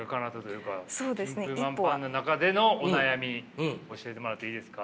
順風満帆な中でのお悩み教えてもらっていいですか。